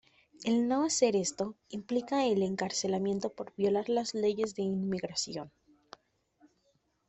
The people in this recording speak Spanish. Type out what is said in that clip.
El no hacer esto implica el encarcelamiento por violar las leyes de inmigración.